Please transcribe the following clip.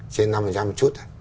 trên năm năm một chút